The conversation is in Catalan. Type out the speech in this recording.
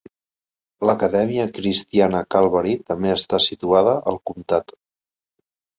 L'Acadèmia Cristiana Calvary també està situada al comptat.